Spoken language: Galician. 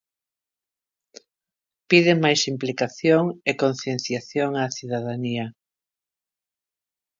Piden máis implicación e concienciación á cidadanía.